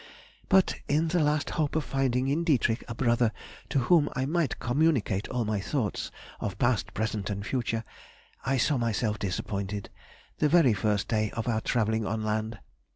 But in the last hope of finding in Dietrich a brother to whom I might communicate all my thoughts of past, present, and future, I saw myself disappointed the very first day of our travelling on land.